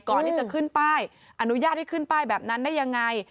ก่อนที่จะขึ้นป้ายอนุญาตให้ขึ้นป้ายแบบนั้นได้ยังไง